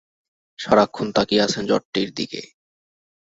সারাক্ষণ তাকিয়ে আছেন জটটির দিকে।